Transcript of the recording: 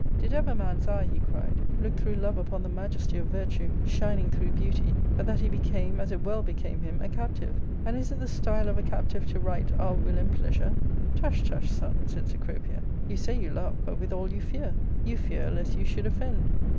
" Did ever man's eye," he cried, " look through love upon the majesty of virtue, shining through beauty, but that he became, as it well became him, a captive 1 and is it the style of a captive to write — Our will and pleasure ?"" Tush, tush, son," said Cecropia, " you say you love, but withal you fear : you fear lest you should offend.